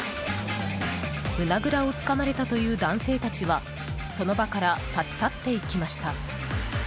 胸ぐらをつかまれたという男性たちはその場から立ち去っていきました。